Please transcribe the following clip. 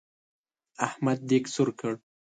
احمد دېګ سور کړ.